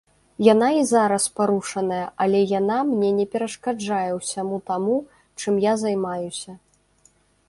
Яна і зараз парушаная, але яна мне не перашкаджае ўсяму таму, чым я займаюся.